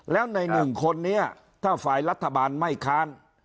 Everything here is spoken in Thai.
แล้วในหนึ่งคนนี้ถ้าฝ่ายรัฐบาลไม่ค้าน